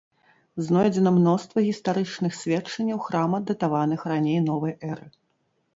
Знойдзена мноства гістарычных сведчанняў храма датаваных раней новай эры.